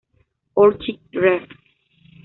Orchid Rev.